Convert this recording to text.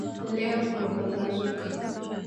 Leo kumepambazuka.